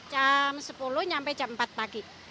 jam sepuluh sampai jam empat pagi